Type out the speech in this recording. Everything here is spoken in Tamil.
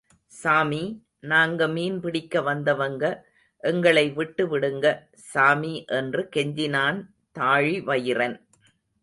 சாமி, நாங்க மீன் பிடிக்க வந்தவங்க, எங்களை விட்டு விடுங்க, சாமி என்று கெஞ்சினான் தாழிவயிறன்.